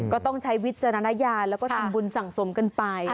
ก็ต้องใช้วิจารณญาณแล้วก็ทำบุญสั่งสมกันไป